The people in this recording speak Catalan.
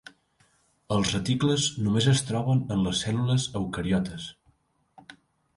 Els reticles només es troben en les cèl·lules eucariotes.